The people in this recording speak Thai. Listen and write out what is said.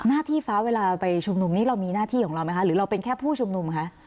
หน้าที่ฟ้าเวลาไปชุมนุมนี้เรามีหน้าที่ของเราไหมคะหรือเราเป็นแค่ผู้ชุมนุมคะ